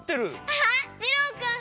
あっじろーくん！